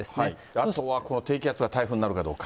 あとはこの低気圧が台風になるかどうか。